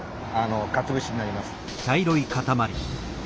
かつお節になります。